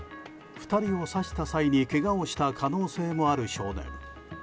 ２人を刺した際にけがをした可能性もある少年。